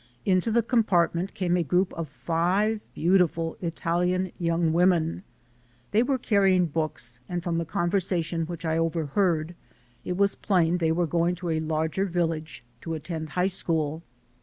Into the compartment came a group of five beautiful Italian young women. They were carrying books and from the conversation which I overheard, it was plain they were going to a larger village to attend high school.